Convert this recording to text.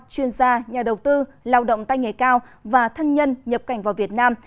chuyên gia nhà đầu tư lao động tay nghề cao và thân nhân nhập cảnh vào việt nam